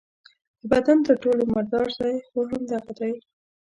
د بدن تر ټولو مردار ځای خو همدغه دی.